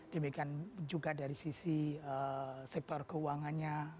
demikian juga dari sisi sektor keuangannya